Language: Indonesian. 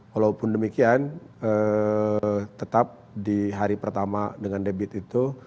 walaupun demikian tetap di hari pertama dengan debit itu